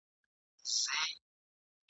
زه همزولې د ښکلایم، زه له میني د سبحان یم ..